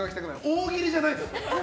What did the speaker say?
大喜利じゃないです。